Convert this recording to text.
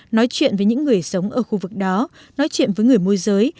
nói chuyện với những người sống ở khu vực đó nói chuyện với người môi giới